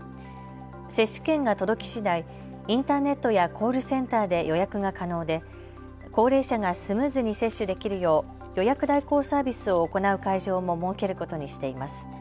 接種券が届きしだい、インターネットやコールセンターで予約が可能で高齢者がスムーズに接種できるよう予約代行サービスを行う会場も設けることにしています。